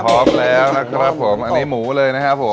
พร้อมแล้วนะครับผมอันนี้หมูเลยนะครับผม